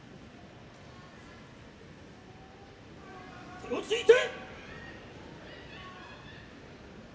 手をついて。